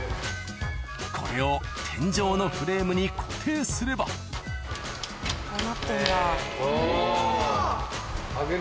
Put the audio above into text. これを天井のフレームに固定すればおぉ。